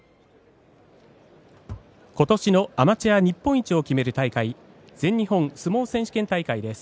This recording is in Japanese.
ことしのアマチュア日本一を決める大会全日本相撲選手権大会です。